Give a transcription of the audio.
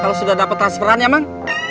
kalau sudah dapat transferannya mang